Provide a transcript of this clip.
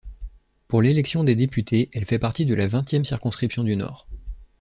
Pour l'élection des députés, elle fait partie de la vingtième circonscription du Nord.